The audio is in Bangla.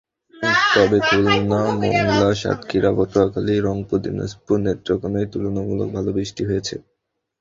তবে খুলনা, মোংলা, সাতক্ষীরা, পটুয়াখালী, রংপুর, দিনাজপুর, নেত্রকোনায় তুলনামূলক ভালো বৃষ্টি হয়েছে।